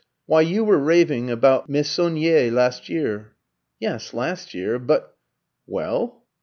Why, you were raving about Meissonier last year." "Yes, last year; but " "Well?"